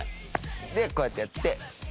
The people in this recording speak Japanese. でこうやってやって。